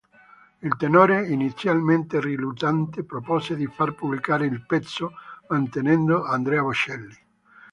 Il tenore, inizialmente riluttante, propose di far pubblicare il pezzo mantenendo Andrea Bocelli.